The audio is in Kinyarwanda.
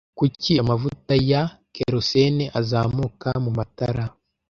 Kuki amavuta ya Kerosene azamuka mumatara